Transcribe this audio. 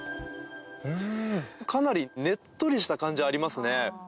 うーん、かなりねっとりした感じありますね。